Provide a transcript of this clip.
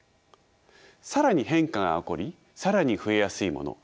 更に変化が起こり更に増えやすいもの